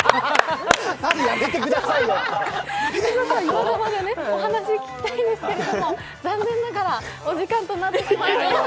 まだまだお話を聞きたいんですけれども残念ながらお時間となってしまいました。